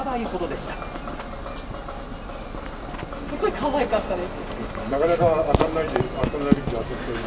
すごいかわいかったです。